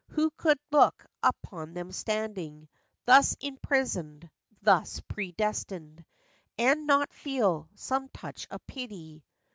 Who could look upon them standing Thus imprisoned, thus predestined, And not feel some touch of pity